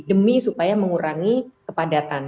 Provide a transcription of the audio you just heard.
demi supaya mengurangi kepadatan